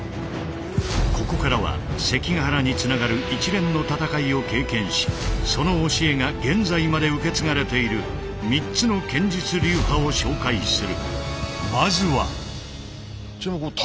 ここからは関ヶ原につながる一連の戦いを経験しその教えが現在まで受け継がれている３つの剣術流派を紹介する。